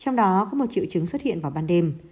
trong đó có một triệu chứng xuất hiện vào ban đêm